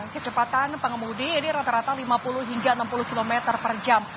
kecepatan pengemudi ini rata rata lima puluh hingga enam puluh km per jam